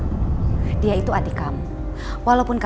mama rasa ini udah waktunya kamu lupain perasaan kamu sama meka